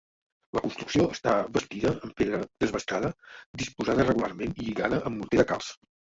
La construcció està bastida en pedra desbastada disposada regularment i lligada amb morter de calç.